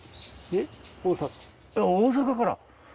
大阪から。